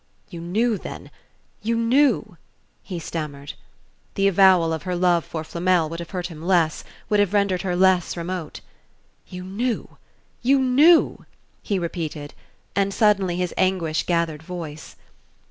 "You knew, then, you knew" he stammered. The avowal of her love for Flamel would have hurt him less, would have rendered her less remote. "You knew you knew " he repeated; and suddenly his anguish gathered voice.